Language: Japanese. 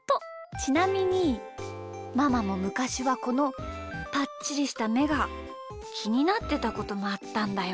ちなみにママもむかしはこのぱっちりしためがきになってたこともあったんだよ。